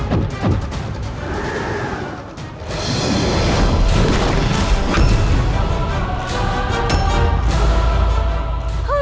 satu saat sampai ini